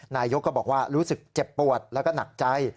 นายกรัฐมนตรีก็บอกว่ารู้สึกเจ็บปวดและหนักใจ